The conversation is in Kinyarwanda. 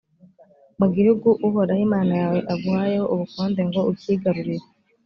mu gihugu uhoraho imana yawe aguhayeho ubukonde ngo ucyigarurire,